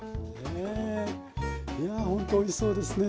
いやほんとおいしそうですね。